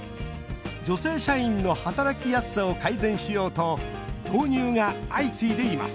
女性社員の働きやすさを改善しようと導入が相次いでいます